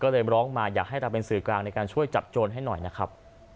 ก็เลยร้องมาอยากให้เราเป็นสื่อกลางในการช่วยจับโจรให้หน่อยนะครับ